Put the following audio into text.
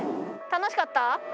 楽しかった。